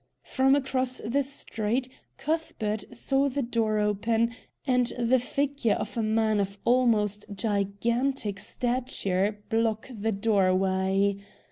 From across the street Cuthbert saw the door open and the figure of a man of almost gigantic stature block the doorway.